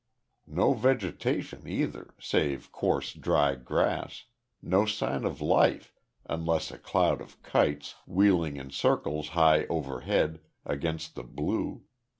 No vegetation either, save coarse dry grass, no sign of life, unless a cloud of kites, wheeling in circles high overhead, against the blue.